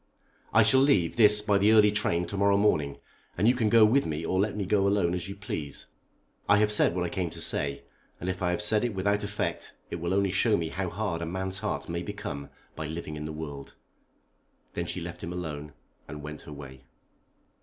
I shall leave this by the early train to morrow morning, and you can go with me or let me go alone as you please. I have said what I came to say, and if I have said it without effect it will only show me how hard a man's heart may become by living in the world." Then she left him alone and went her way.